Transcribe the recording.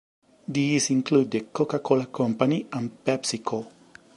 These include The Coca-Cola Company and Pepsico.